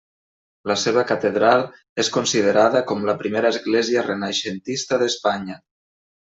La seva catedral és considerada com la primera església renaixentista d'Espanya.